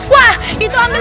wah itu amat